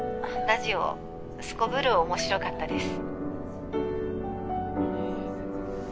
ラジオすこぶる面白かったです